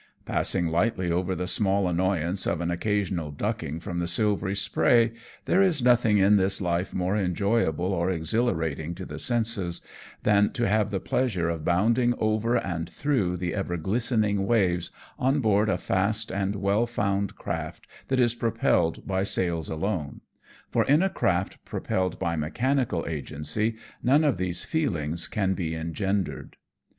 Passing lightly over the small annoyance of an occasional ducking from the silvery spray, there is nothing in this life more enjoyable or exhilarating to the senses than to have the pleasure of bounding over and through the ever glistening waves, on board a fast and well found craft that is propelled by sails alone ; for in a craft propelled by mechanical agency none of these feelings can be engendered.